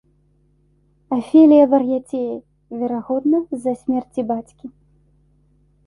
Афелія вар'яцее, верагодна з-за смерці бацькі.